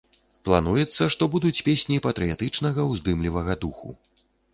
Плануецца, што будуць песні патрыятычнага, уздымлівага духу.